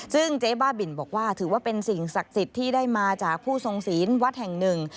ซึ่งเจ๊บ้าบินบอกว่าถือว่าเป็นสิ่งศักดิ์สิทธิ์ที่ได้มาจากผู้ทรงศีลวัดแห่งหนึ่ง